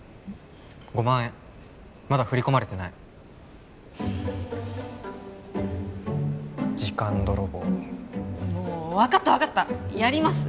５万円まだ振り込まれてない時間泥棒もう分かった分かったやります